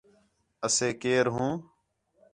اَسے کیئر ہوں